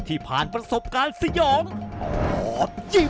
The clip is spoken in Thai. ที่ผ่านประสบการณ์สยอง